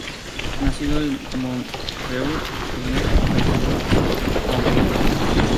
Nacido en Montreuil-sur-Mer y fallecido en Abbeville.